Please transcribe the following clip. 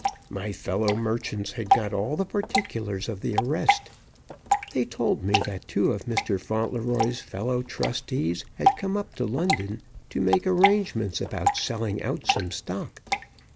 My fellow merchants had got all the particulars of the arrest. They told me that two of Mr. Fauntleroy's fellow trustees had come up to London to make arrangements about selling out some stock.